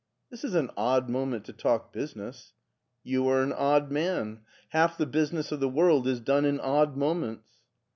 This is an odd moment to talk business." " You are an odd man. Half the business of the world is done in odd moments."